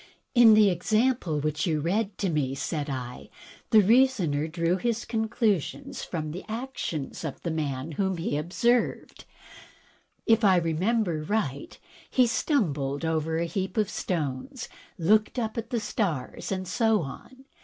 In the example which you read to me," said I, "the reasoner drew his conclusions from the actions of the man whom he observed. If I remember right, he stumbled over a heap of stones, looked up at the stars, and so on.